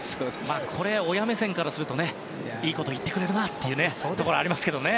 これ、親目線からするとねいいことを言ってくれるなっていうのはありますけどね。